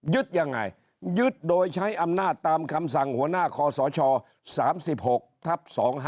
ยังไงยึดโดยใช้อำนาจตามคำสั่งหัวหน้าคอสช๓๖ทับ๒๕๖